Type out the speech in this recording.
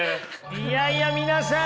いやいや皆さん